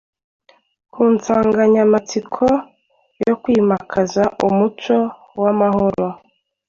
ku nsanganyamatsiko yo kwimakaza umuco w’amahoro.